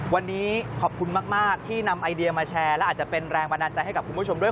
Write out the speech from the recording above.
วันนี้ขอบคุณมากที่นำไอเดียมาแชร์และอาจจะเป็นแรงบันดาลใจให้กับคุณผู้ชมด้วย